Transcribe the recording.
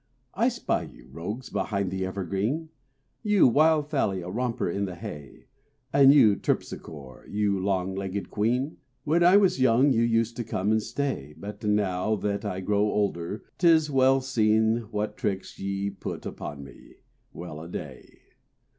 I spy you, rogues, behind the evergreen: You, wild Thalia, romper in the hay; And you, Terpsichore, you long legged quean. When I was young you used to come and stay, But, now that I grow older, 'tis well seen What tricks ye put upon me. Well a day!